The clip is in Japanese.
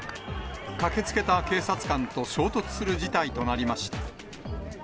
駆けつけた警察官と衝突する事態となりました。